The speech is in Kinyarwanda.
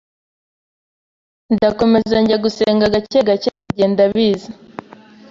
ndakomeza njya gusenga gacye gacye bigenda biza,